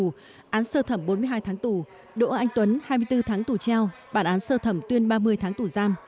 tòa án sơ thẩm bốn mươi hai tháng tù đỗ anh tuấn hai mươi bốn tháng tù treo bản án sơ thẩm tuyên ba mươi tháng tù giam